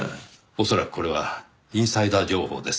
恐らくこれはインサイダー情報です。